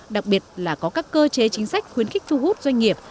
đặc biệt là có các cơ chế chính sách khuyến khích thu hút doanh nghiệp